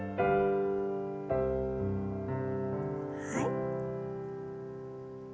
はい。